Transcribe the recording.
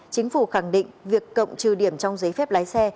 chính phủ khẳng định việc cộng trừ điểm trong giấy phép lái xe